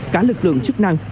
cả lực lượng chức năng